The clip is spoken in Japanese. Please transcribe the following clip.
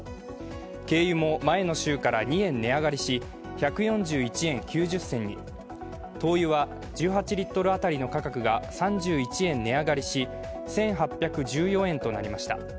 軽油も前の週から２円値上がりし１４１円９０銭に、灯油は１８リットル当たりの価格が３１円値上がりし、１８１４円となりました。